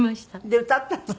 で歌ったの？